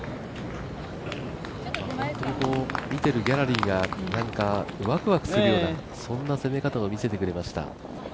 本当に見ているギャラリーがわくわくするようなそんな攻め方を見せてくれました。